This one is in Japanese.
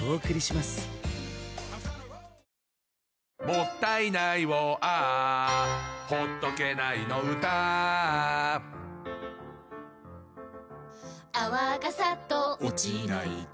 「もったいないをＡｈ」「ほっとけないの唄Ａｈ」「泡がサッと落ちないと」